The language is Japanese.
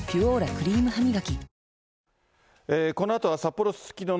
クリームハミガキす。